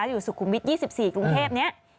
อยู่สุขุมวิทย์๒๔กรุงเทพฯ